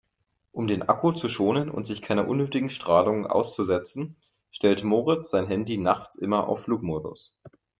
Um den Akku zu schonen und sich keiner unnötigen Strahlung auszusetzen, stellt Moritz sein Handy nachts immer auf Flugmodus.